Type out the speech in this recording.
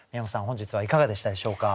本日はいかがでしたでしょうか？